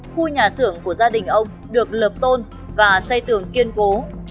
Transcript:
khu nhà xưởng của gia đình ông được lợp tôn và xây tường kiên cố